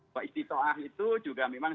bahwa istiqaah itu juga memang